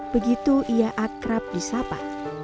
begitu ia akrab di sapa